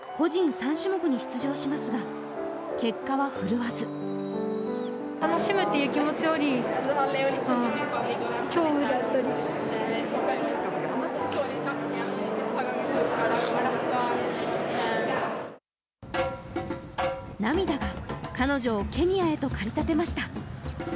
３種目に出場しますが結果は振るわず涙が彼女をケニアへと駆り立てました。